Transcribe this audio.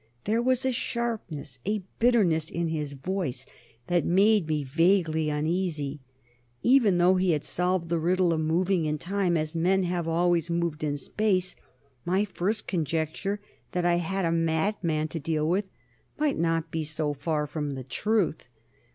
There was a sharpness, a bitterness, in his voice that made me vaguely uneasy; even though he had solved the riddle of moving in time as men have always moved in space, my first conjecture that I had a madman to deal with might not be so far from the truth.